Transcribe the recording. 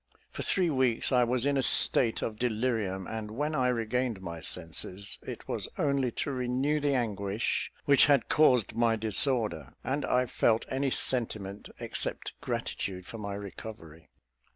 For three weeks I was in a state of delirium; and when I regained my senses, it was only to renew the anguish which had caused my disorder, and I felt any sentiment except gratitude for my recovery.